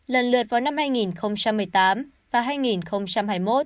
lần lượt vào năm hai nghìn một mươi tám và hai nghìn hai mươi một